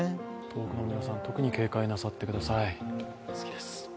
東北の皆さん、特に警戒なさってください。